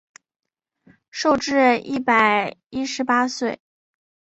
寿至一百一十八岁。